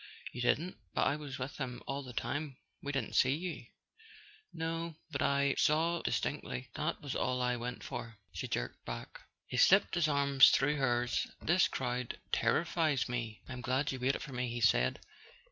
"You didn't? But I was with him all the time. We didn't see you " "No, but I saw—distinctly. That was all I went for," she jerked back. He slipped his arm through hers. "This crowd terri¬ fies me. I'm glad you waited for me," he said.